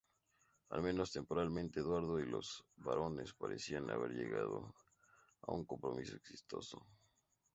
Al menos temporalmente, Eduardo y los barones parecían haber llegado a un compromiso exitoso.